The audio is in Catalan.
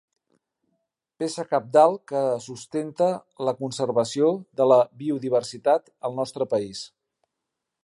Peça cabdal que sustenta la conservació de la biodiversitat al nostre país.